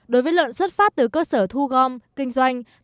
đối với lợn xuất phát từ cơ sở thu gom kinh doanh